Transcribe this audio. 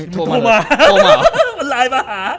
โทรมา